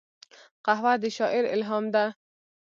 قهوه د شاعر الهام ده